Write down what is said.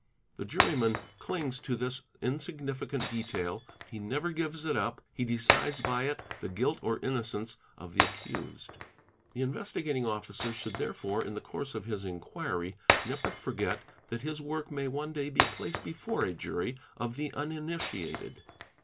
The wyman clings to this insignificant detail, he never gives it up, he decides xy it the guilt or innocence of the accused. _ The Investigating Officer should therefore in the course of his in lt iry never forget that his work may one day be placed before a jury of ie uninitiated.